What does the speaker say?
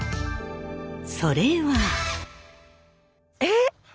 それは。えっ！